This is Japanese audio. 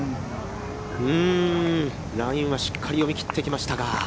ラインはしっかり読み切ってきましたが。